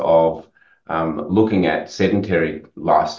dari penyelidikan yang terjadi di dunia yang tersebut